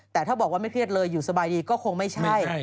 แต่ถ้าบอกว่าไม่เครียดเลยอยู่สบายดีก็คงไม่ใช่